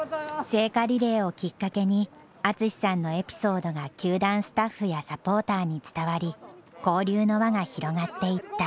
聖火リレーをきっかけに淳さんのエピソードが球団スタッフやサポーターに伝わり交流の輪が広がっていった。